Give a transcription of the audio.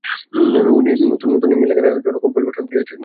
নতুন ই-েমইল লেখার জন্য কম্পোজ বাটন সরিয়ে ডানে নিচের দিকে আনা হয়েছে।